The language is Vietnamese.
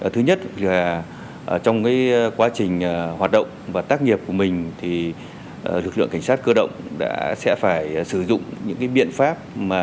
thứ nhất là trong quá trình hoạt động và tác nghiệp của mình thì lực lượng cảnh sát cơ động đã phải sử dụng những biện pháp